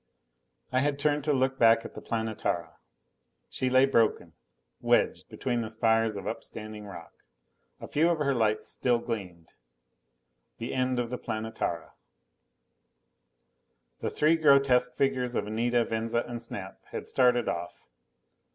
I had turned to look back at the Planetara. She lay broken, wedged between spires of upstanding rock. A few of her lights still gleamed. The end of the Planetara! The three grotesque figures of Anita, Venza and Snap had started off.